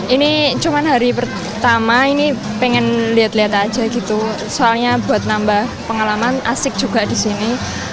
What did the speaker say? ini cuma hari pertama ini pengen lihat lihat aja gitu soalnya buat nambah pengalaman asik juga di sini